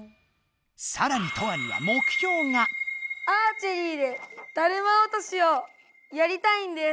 さらにトアにはアーチェリーでだるま落としをやりたいんです。